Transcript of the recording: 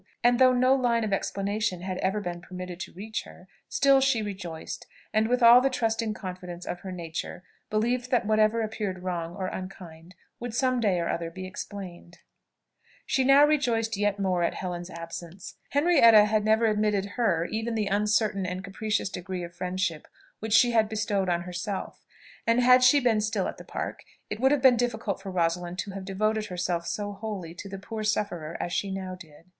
And though no line of explanation had ever been permitted to reach her, still she rejoiced; and with all the trusting confidence of her nature believed that whatever appeared wrong or unkind, would some day or other be explained. She now rejoiced yet more at Helen's absence. Henrietta had never admitted her even to the uncertain and capricious degree of friendship which she had bestowed on herself; and had she been still at the Park, it would have been difficult for Rosalind to have devoted herself so wholly to the poor sufferer as she now did.